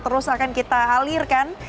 terus akan kita alirkan